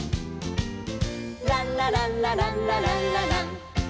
「ランラランラランラランララン」